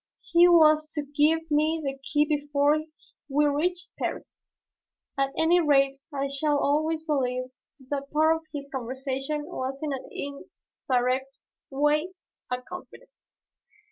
He was to give me the key before we reached Paris. At any rate I shall always believe that part of his conversation was in an indirect way a confidence.